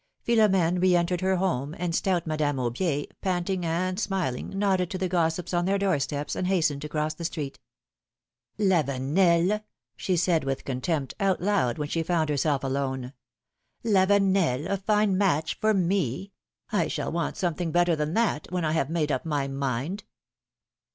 Philomene re entered her home, and stout Madame Aubier, panting and smiling, nodded to the gossips on their door steps and hastened to cross the street. Lavenel ! said she with contempt, out loud, when she found herself alone ; Lavenel ! a fine match for me ! I shall want something better than that, when I have made up my mind.